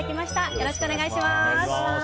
よろしくお願いします。